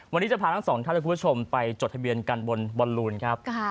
วันนี้จะพาทั้งสองท่านและคุณผู้ชมไปจดทะเบียนกันบนบอลลูนครับ